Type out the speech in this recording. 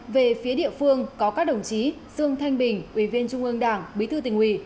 về phía địa phương có các đồng chí dương thanh bình ủy viên trung ương đảng bí thư tỉnh ủy